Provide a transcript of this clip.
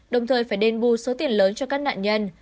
đồng thời phải đền bù số tiền lớn cho các nạn nhân